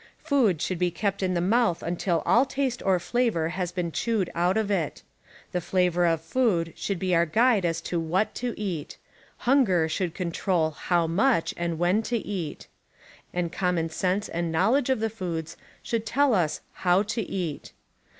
Food should be kept in the mouth until all taste or flavor has been chewed out of it. The flavor of food should be our guide as to ■ichat to eat; hunger should c<mtrol June _,, much and when to eat; and common sense and T Ictcncr knowledge of the foods should tell us hotv to eat.